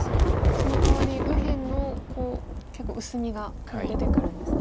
そのかわり右辺の結構薄みが黒出てくるんですね。